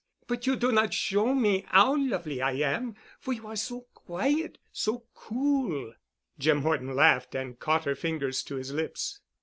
But you do not show me 'ow lovely I am, for you are so quiet—so cool——" Jim Horton laughed and caught her fingers to his lips.